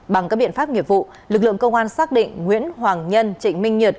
bằng các biện pháp nghiệp vụ lực lượng công an xác định nguyễn hoàng nhân trịnh minh nhật